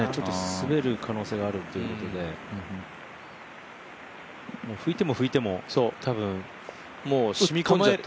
滑る可能性があるということで拭いても拭いても多分染みこんじゃって。